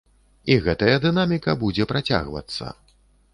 І гэтая дынаміка будзе працягвацца.